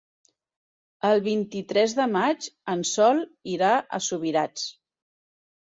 El vint-i-tres de maig en Sol irà a Subirats.